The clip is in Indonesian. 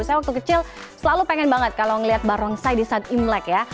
saya waktu kecil selalu pengen banget kalau ngeliat barongsai di saat imlek ya